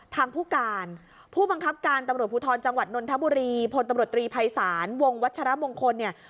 ทางผู้การผู้บังกับการตภจนทบุรีพตฤภัยศาลววคเนี่ย